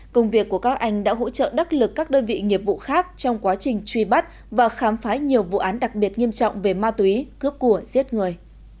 công việc của các anh đã hỗ trợ đắc lực các đơn vị nghiệp vụ khác trong quá trình truy bắt và khám phá nhiều vụ án đặc biệt nghiêm trọng về ma túy cướp của giết người